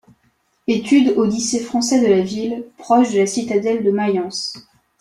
Études au lycée français de la ville, proche de la citadelle de Mayence.